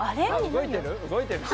動いてる？